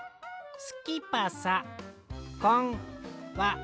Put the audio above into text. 「スキッパーさこんは。